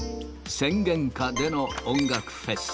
宣言下での音楽フェス。